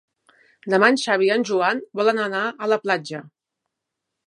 Demà en Xavi i en Joan volen anar a la platja.